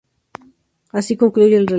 Así concluye el relato.